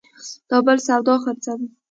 دا بل سودا خرڅوي